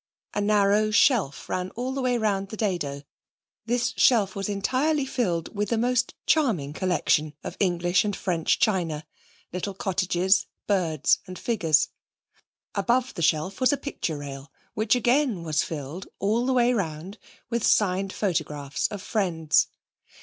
A narrow shelf ran all the way round the dado; this shelf was entirely filled with the most charming collection of English and French china, little cottages, birds and figures. Above the shelf was a picture rail, which again was filled all the way round with signed photographs of friends.